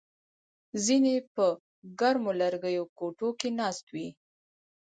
ځینې په ګرمو لرګیو کوټو کې ناست وي